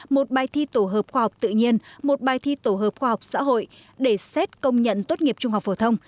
một bài thi tổ hợp khoa học tự nhiên một bài thi tổ hợp khoa học xã hội để xét công nhận tốt nghiệp trung học phổ thông